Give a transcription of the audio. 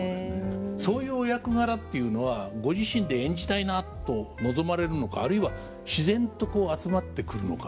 そういうお役柄っていうのはご自身で演じたいなと望まれるのかあるいは自然とこう集まってくるのか。